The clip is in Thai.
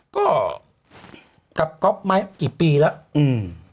ก็กับกี่ปีแล้วอืม